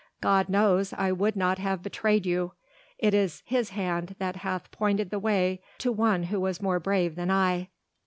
God knows I would not have betrayed you ... it is His hand that hath pointed the way to one who was more brave than I."